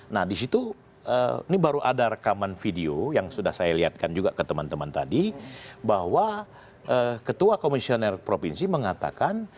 nah disitu ini baru ada rekaman video yang sudah saya lihatkan juga ke teman teman tadi bahwa ketua komisioner provinsi mengatakan